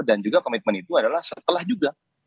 dan juga komitmen itu adalah setelah juga